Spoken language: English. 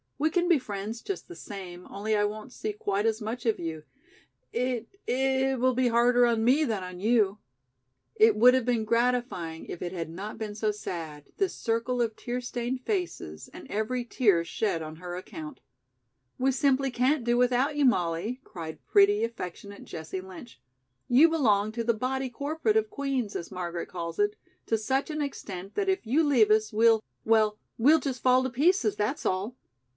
"We can be friends just the same, only I won't see quite as much of you it it will be harder on me than on you " It would have been gratifying if it had not been so sad, this circle of tear stained faces and every tear shed on her account. "We simply can't do without you, Molly," cried pretty, affectionate Jessie Lynch. "You belong to the 'body corporate' of Queen's, as Margaret calls it, to such an extent that if you leave us, we'll well, we'll just fall to pieces, that's all."